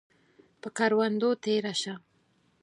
پۀ کروندو تیره شه